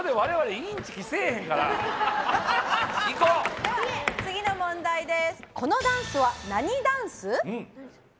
では次の問題です。